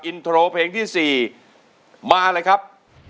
อินโทรเพลงที่๔มาเลยครับ